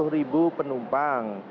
sembilan puluh ribu penumpang